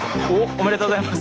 おめでとうございます。